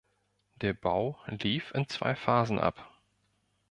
Der Bau lief in zwei Phasen ab.